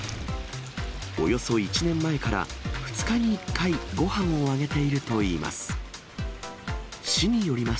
およそ１年前から２日に１回、ごはんをあげているといいます。